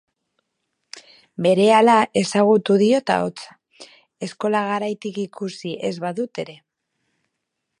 Berehala ezagutu diot ahotsa, eskola garaitik ikusi ez badut ere.